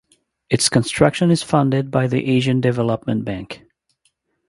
Its construction is funded by the Asian Development Bank.